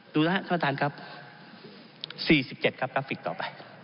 ดูนะฮะท่านประธานครับสี่สิบเจ็ดครับกราฟิกต่อไป